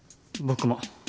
僕も。